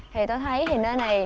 thì tôi thấy nơi này